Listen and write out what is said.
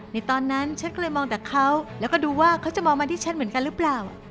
ในตอนนั้นชั้นก็เลยมองแต่เขา